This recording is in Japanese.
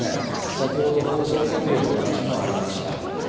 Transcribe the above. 先ほど放送権料の話もありました。